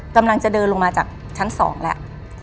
กำลังจะเดินลงมาจากชั้น๒แล้ว